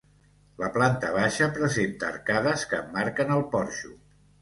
La planta baixa presenta arcades que emmarquen el porxo.